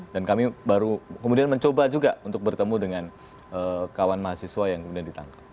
dan kami baru kemudian mencoba juga untuk bertemu dengan kawan mahasiswa yang kemudian ditangkap